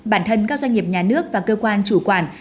bản thân các doanh nghiệp nhà nước và cơ quan chủ quản